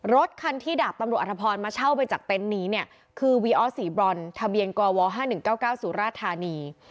รถคันที่ดาบตำรวจอธพรมาเช่าไปจากเต็นต์นี้เนี่ยคือวีออสสีบรอนทะเบียนกว๕๑๙๙สุราธานี